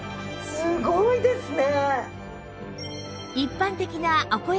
すごいですよね。